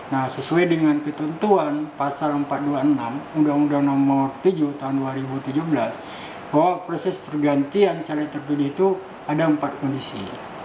nah sesuai dengan ketentuan pasal empat ratus dua puluh enam undang undang nomor tujuh tahun dua ribu tujuh belas bahwa proses pergantian caleg terpilih itu ada empat kondisi